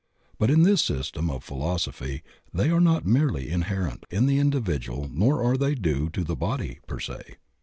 But in this system of phUoso phy they are not merely inherent in the individual nor are they due to the body per se.